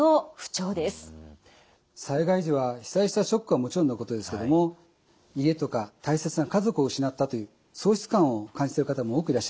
災害時は被災したショックはもちろんのことですけども家とか大切な家族を失ったという喪失感を感じている方も多くいらっしゃいます。